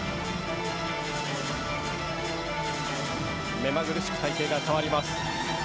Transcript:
目まぐるしく隊形が変わります。